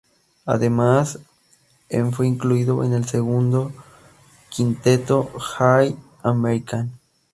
Además, en fue incluido en el segundo quinteto All-American.